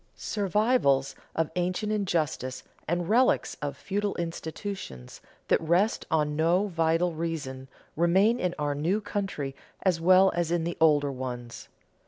Survivals of ancient injustice and relics of feudal institutions that rest on no vital reason remain in our new country as well as in the older ones.